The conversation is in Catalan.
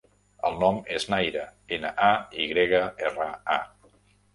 El nom és Nayra: ena, a, i grega, erra, a.